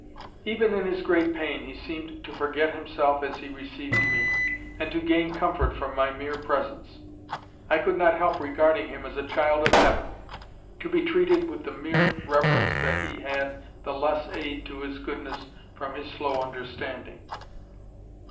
Even in his great pain he seemed to forget himself as he received me, and to gain comfort from my mere presence. I could not help regarding him as a child of heaven, to be treated with the more reverence that he had the less aid to his goodness from his slow understanding.